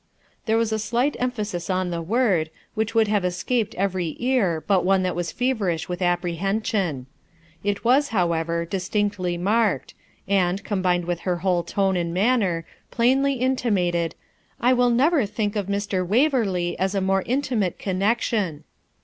There was a slight emphasis on the word, which would have escaped every ear but one that was feverish with apprehension. It was, however, distinctly marked, and, combined with her whole tone and manner, plainly intimated, 'I will never think of Mr. Waverley as a more intimate connexion.'